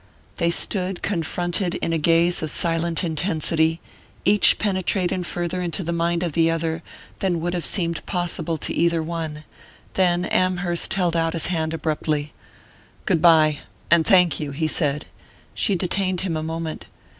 They stood confronted in a gaze of silent intensity, each penetrating farther into the mind of the other than would once have seemed possible to either one; then Amherst held out his hand abruptly. "Good bye and thank you," he said. She detained him a moment.